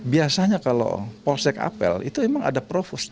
biasanya kalau polsek apel itu memang ada provos